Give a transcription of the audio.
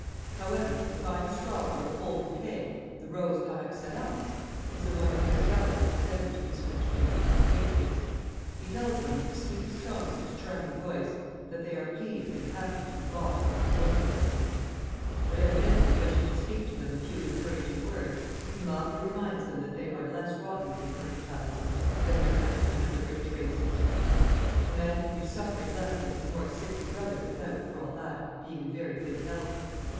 However, the finest flower of the whole bouquet the rose par excellence is the one he has gallantly presented to his French Canadian compatriots. He tells them with the sweetest tones of his charming voice that they are pleased and happy to rot in "colonialism." But, evidently wishing to speak to them a few encouraging words, he mildly reminds them that they are less rotten with "mercantilism" than their countrymen of the British races. A man can be suffering less than his more sickly brother without, for all that, being in very good health.